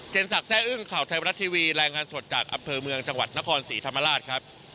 สักแร่อึ้งข่าวไทยบรัฐทีวีรายงานสดจากอำเภอเมืองจังหวัดนครศรีธรรมราชครับ